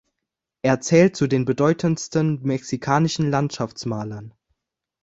Er zählt zu den bedeutendsten mexikanischen Landschaftsmalern.